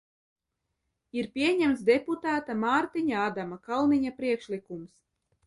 Ir pieņemts deputāta Mārtiņa Ādama Kalniņa priekšlikums.